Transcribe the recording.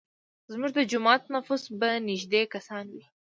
زموږ د جومات نفوس به نیږدی کسان وي.